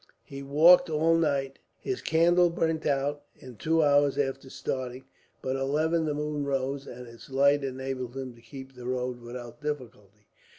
He walked all night. His candle burnt out, in two hours after starting; but at eleven the moon rose, and its light enabled him to keep the road without difficulty.